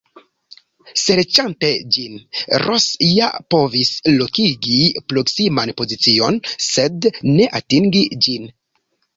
Serĉante ĝin, Ross ja povis lokigi proksiman pozicion, sed ne atingi ĝin.